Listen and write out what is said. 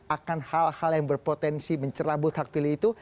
akan hal hal yang berpotensi mencerabut hak pilih itu